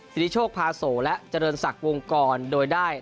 สิริโชคพาโสและเจริญศักดิ์วงกรโดยได้